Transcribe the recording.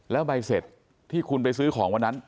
แล้วใบเสร็จที่คุณไปซื้อของวันนั้น